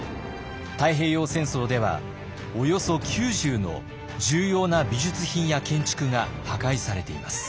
太平洋戦争ではおよそ９０の重要な美術品や建築が破壊されています。